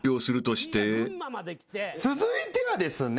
続いてはですね。